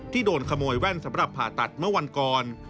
โดนขโมยแว่นสำหรับผ่าตัดเมื่อวันก่อน